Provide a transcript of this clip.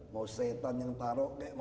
mau setan yang taro mau malaikat yang taro